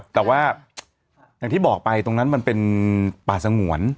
แต่ว่าอย่างที่บอกไปตรงนั้นมันเป็นป่าสงวน